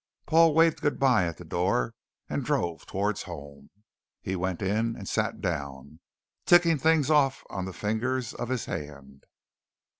Paul waved good bye at the door and drove towards home. He went in and sat down, ticking things off on the fingers of his hand.